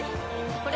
これ！